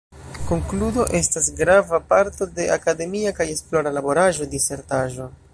Konkludo estas grava parto de akademia kaj esplora laboraĵo, disertaĵo.